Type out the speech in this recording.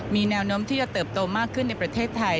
มีแนวโน้มที่จะเติบโตมากขึ้นในประเทศไทย